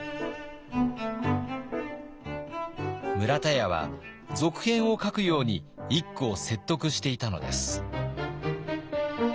村田屋は続編を書くように一九を説得していたのです。